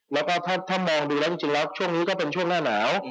แล้วก็ถ้ามองดูแล้วจริงแล้วช่วงนี้ก็เป็นช่วงหน้าหนาว